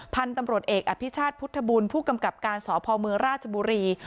พันธุ์ตำรวจเอกอภิชาศพุทธบูรณ์ผู้กำกัดการศอบภองมือราชบุรี